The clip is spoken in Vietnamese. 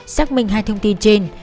xác minh hai thông tin trên